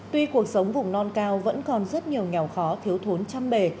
tuy cuộc sống vùng non cao vẫn còn rất nhiều nghèo khó thiếu thốn trăm bề